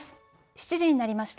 ７時になりました。